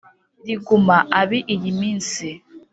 riguma abi iyi minsi: